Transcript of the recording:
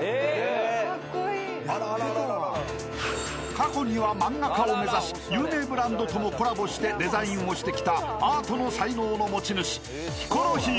［過去には漫画家を目指し有名ブランドともコラボしてデザインをしてきたアートの才能の持ち主ヒコロヒー］